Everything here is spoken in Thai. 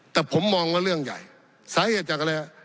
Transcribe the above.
แต่ผมมองว่าเรื่องใหญ่สาเหตุจากอะไรฮะ